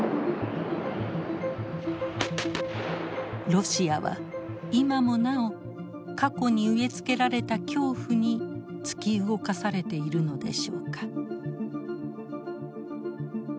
ロシアは今もなお過去に植え付けられた恐怖に突き動かされているのでしょうか。